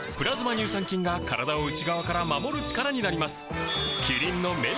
乳酸菌が体を内側から守る力になります